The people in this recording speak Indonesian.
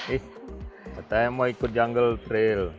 ih katanya mau ikut jungle trail